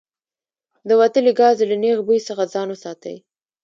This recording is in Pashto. د وتلي ګاز له نیغ بوی څخه ځان وساتئ.